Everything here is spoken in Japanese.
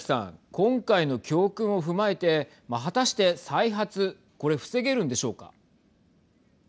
今回の教訓を踏まえて果たして再発これ防げるんでしょうか。